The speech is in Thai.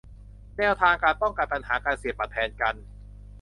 แนวทางการป้องกันปัญหาการเสียบบัตรแทนกัน